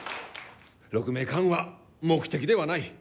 鹿鳴館は目的ではない。